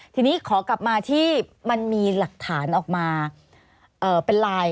ทีนี้ขอกลับมาที่มันมีหลักฐานออกมาเป็นไลน์